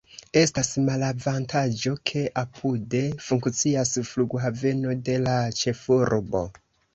Estas malavantaĝo, ke apude funkcias flughaveno de la ĉefurbo.